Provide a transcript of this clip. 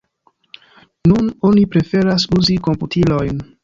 Nun oni preferas uzi komputilojn.